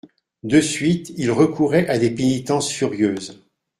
De suite, ils recouraient à des pénitences furieuses.